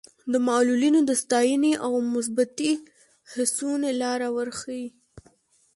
د معلولینو د ستاینې او مثبتې هڅونې لاره ورښيي.